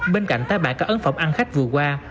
bên cạnh tái bản các ấn phẩm ăn khách vừa qua